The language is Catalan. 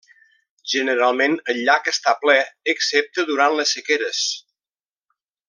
Generalment el llac està ple excepte durant les sequeres.